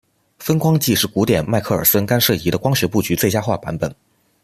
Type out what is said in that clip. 分光计是古典迈克耳孙干涉仪的光学布局最佳化版本。